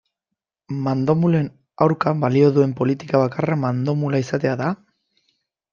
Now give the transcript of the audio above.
Mandomulen aurka balio duen politika bakarra mandomula izatea da?